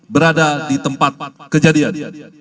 berada di tempat kejadian